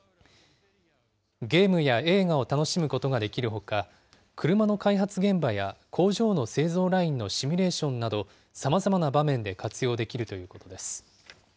ゲームや映画を楽しむことができるほか、車の開発現場や工場の製造ラインのシミュレーションなど、さまざまな場面で活用できるということです。